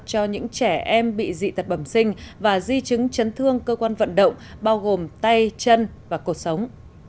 cho những trẻ em bị dị tật bẩm sinh và di chứng chấn thương cơ quan vận động bao gồm tay chân và cuộc sống